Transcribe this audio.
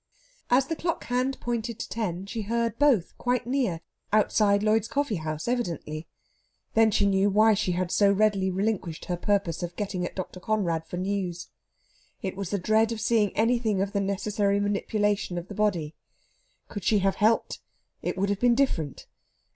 As the clock hand pointed to ten, she heard both quite near outside Lloyd's Coffeehouse, evidently. Then she knew why she had so readily relinquished her purpose of getting at Dr. Conrad for news. It was the dread of seeing anything of the necessary manipulation of the body. Could she have helped, it would have been different.